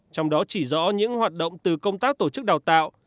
trong đó chỉ rõ những hoạt động từ công tác tổ chức đào tạo